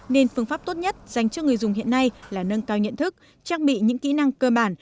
nên phương pháp tốt nhất dành cho người dùng hiện nay là nâng cao nhận thức trang bị những kỹ năng cơ bản